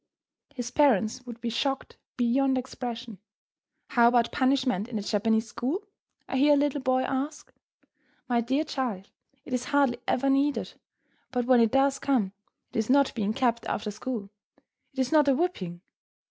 His parents would be shocked beyond expression. [Illustration: A LESSON IN ARRANGING FLOWERS.] "How about punishment in the Japanese school?" I hear a little boy ask. My dear child, it is hardly ever needed, but when it does come, it is not being kept after school; it is not a whipping.